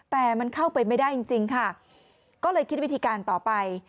แต่มันเข้าไปไม่ได้จริงจริงค่ะก็เลยคิดวิธีการต่อไป